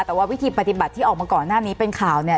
แต่ว่าวิธีปฏิบัติที่ออกมาก่อนหน้านี้เป็นข่าวเนี่ย